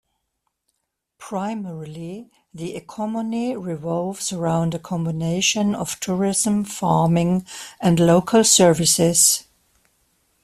Primarily, the economy revolves around a combination of tourism, farming and local services.